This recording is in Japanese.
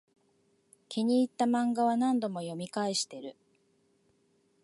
気に入ったマンガは何度も読み返してる